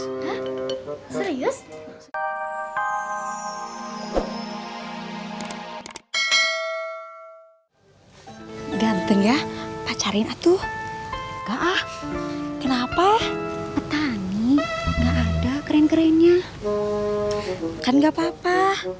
serius ganteng ya pacarin atuh ah kenapa petani ada keren kerennya kan nggak papa